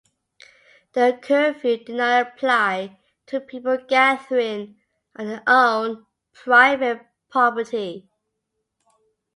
The curfew did not apply to people gathering on their own private property.